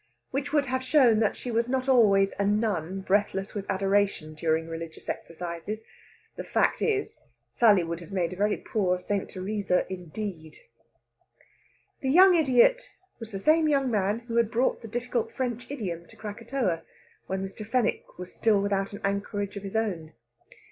Which would have shown that she was not always a nun breathless with adoration during religious exercises. The fact is, Sally would have made a very poor St. Teresa indeed. The young idiot was the same young man who had brought the difficult French idiom to Krakatoa, while Mr. Fenwick was still without an anchorage of his own.